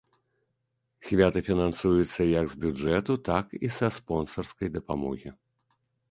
Свята фінансуецца як з бюджэту, так і са спонсарскай дапамогі.